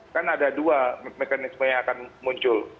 kan ada dua mekanisme yang akan muncul